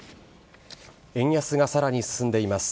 円安がさらに進んでいます。